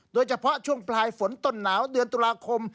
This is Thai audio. โดยเฉพาะช่วงปลายฝนต้นหนาวเดือนตุลาคม